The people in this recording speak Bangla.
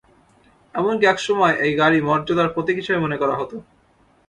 এমনকি এক সময় এই গাড়ি মর্যাদার প্রতীক হিসেবে মনে করা হতো।